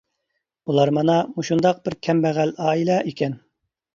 ئۇلار مانا مۇشۇنداق بىر كەمبەغەل ئائىلە ئىكەن.